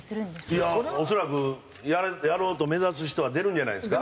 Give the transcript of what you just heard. いや恐らくやろうと目指す人は出るんじゃないですか？